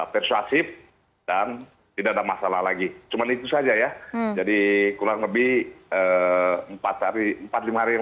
persuasif dan tidak ada masalah lagi cuman itu saja ya jadi kurang lebih empat hari empat puluh lima hari yang